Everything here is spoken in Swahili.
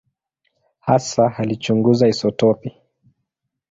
Hasa alichunguza isotopi.